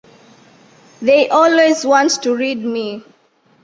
They always want to read me.